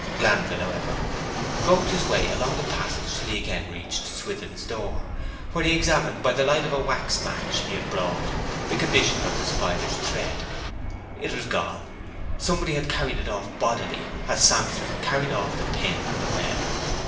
Glanville, however, groped his way along the passage till he again reached Swithin's door, where he examined, by the light of a wax match he had brought, the condition of the spider's thread. It was gone; somebody had carried it off bodily, as Samson carried off the pin and the web.